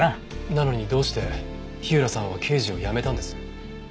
なのにどうして火浦さんは刑事を辞めたんです？